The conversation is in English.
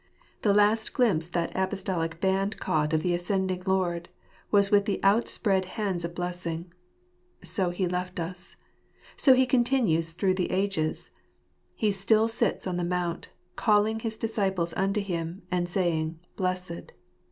The last glimpse that the Apostolic band caught of the ascending Lord was with the outspread hands of blessing. So He left us : so He continues through the ages. He still sits on the Mount, calling his disciples .unto Him, and saying "Blessed."